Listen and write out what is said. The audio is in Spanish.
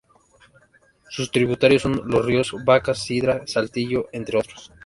Sus tributarios son los ríos: Vacas, Cidra, Saltillo, entre otros.